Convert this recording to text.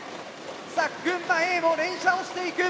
さあ群馬Ａも連射をしていく。